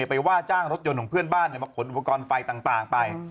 ไปว่าจ้างรถยนต์ของเพื่อนบ้านมาขนอุปกรณ์ไฟต่างไป